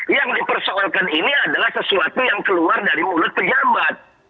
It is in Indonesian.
yang dipersoalkan ini adalah sesuatu yang keluar dari mulut pejabat